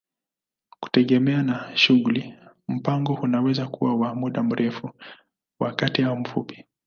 Kutegemea na shughuli, mpango unaweza kuwa wa muda mrefu, wa kati au mfupi.